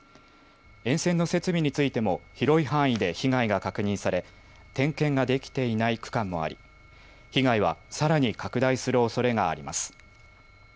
沿線の設備についても広い範囲で被害が確認され点検ができていない区間もあり被害はさらに拡大するおそれがあります。